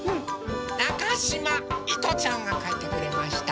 なかしまいとちゃんがかいてくれました。